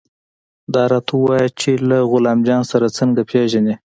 دا راته ووايه چې له غلام جان سره څه پېژنې.